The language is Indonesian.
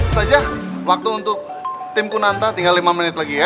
saja waktu untuk tim kunanta tinggal lima menit lagi ya